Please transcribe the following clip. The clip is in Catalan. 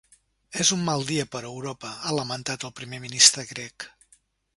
És un mal dia per Europa, ha lamentat el primer ministre grec.